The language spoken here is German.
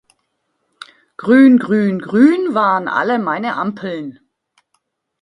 Grün, grün, grün waren alle meine Ampeln.